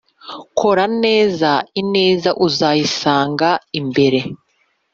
kora neza ineza uzayisanga imbere